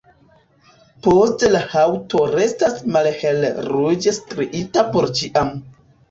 Poste la haŭto restas malhelruĝe striita por ĉiam.